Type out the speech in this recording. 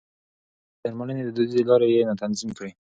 د درملنې دوديزې لارې يې تنظيم کړې.